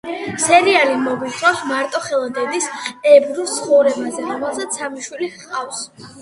სერიალი მოგვითხრობს მარტოხელა დედის, ებრუს ცხოვრებაზე, რომელსაც სამი შვილი ჰყავს.